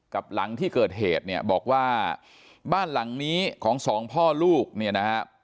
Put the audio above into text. หลังที่เกิดเหตุเนี่ยบอกว่าบ้านหลังนี้ของสองพ่อลูกเนี่ยนะฮะ